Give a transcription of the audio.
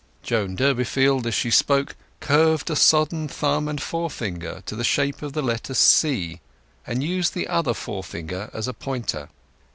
Joan Durbeyfield, as she spoke, curved a sodden thumb and forefinger to the shape of the letter C, and used the other forefinger as a pointer.